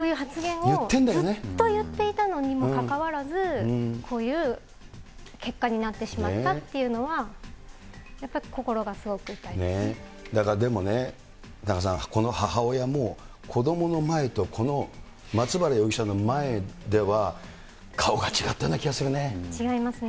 一生懸命、たっくんが嫌とか、そういう発言をずっと言っていたのにもかかわらず、こういう結果になってしまったっていうのは、だからでもね、田中さん、この母親も、子どもの前と、この松原容疑者の前では、顔が違ったような気がす違いますね。